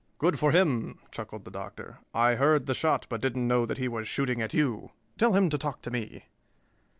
"Good for him," chuckled the Doctor. "I heard the shot, but didn't know that he was shooting at you. Tell him to talk to me."